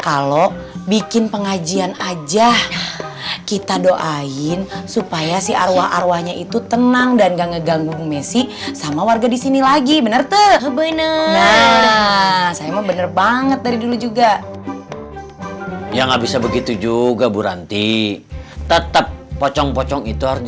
nah kalo bikin pengacian aja kita doain supaya si arwah arwahnya itu tenang dan gak ngeganggu messi sama warga disini lagi bener tuh